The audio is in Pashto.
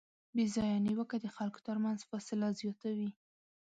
بېځایه نیوکه د خلکو ترمنځ فاصله زیاتوي.